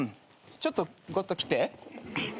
ちょっとゴトウ来て。